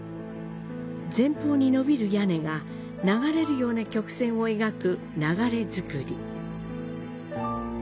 前方に伸びる屋根が流れるような曲線を描く流造。